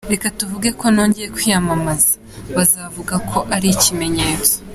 Reka tuvuge ko nongeye kwiyamamaza, bazavuga ko ari ikimenyetso.